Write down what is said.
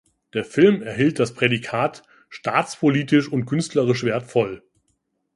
Der Film erhielt das Prädikat „Staatspolitisch und künstlerisch wertvoll“.